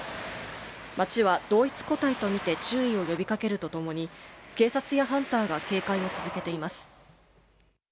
町は同一個体とみて注意を呼びかけるとともに警察やハンターが警戒を続けています。